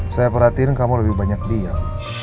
saya perhatiin kamu lebih banyak diam